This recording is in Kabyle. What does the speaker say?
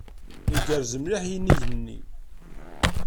Igerrez mliḥ yinig-nni.